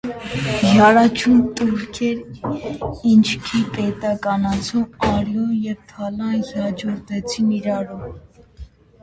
Յարաճուն տուրքեր, ինչքի պետականացում, արիւն եւ թալան յաջորդեցին իրարու։